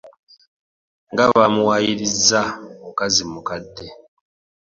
Nga bamuwayiriza mukazi mukadde .